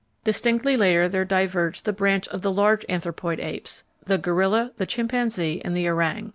Distinctly later there diverged the branch of the large anthropoid apes the gorilla, the chimpanzee, and the orang.